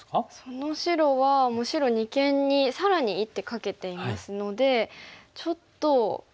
その白はもう白二間に更に一手かけていますのでちょっと強いですよね。